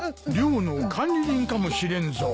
寮の管理人かもしれんぞ。